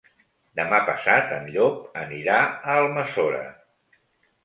Demà passat en Llop anirà a Almassora.